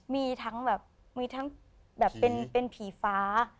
มีทั้งแบบเป็นผีฟ้า